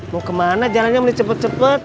mau kemana jalannya mulai cepet cepet